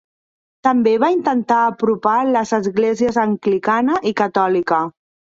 També va intentar apropar les esglésies anglicana i catòlica.